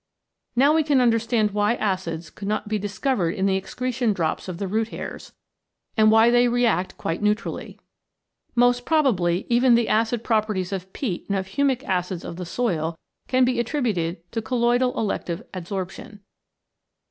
Now we can understand why acids could not be discovered in the excretion drops of the root hairs, and why they react quite Si CHEMICAL PHENOMENA IN LIFE neutrally. Most probably even the acid properties of peat and of Humic Acids of the soil can be attributed to colloidal elective adsorption.